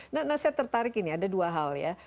nah saya tertarik ini ada dua hal ya